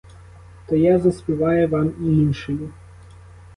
То я заспіваю вам і іншої.